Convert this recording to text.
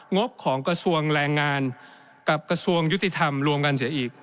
งบของกระทรวงแรงงานกับกระทรวงยุติธรรมรวมกันเสียอีก